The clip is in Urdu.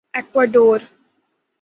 ایکواڈور